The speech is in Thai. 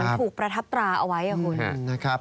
มันเหมือนถูกประทับตราเอาไว้อ่ะคุณ